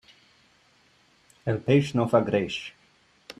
El peix no fa greix.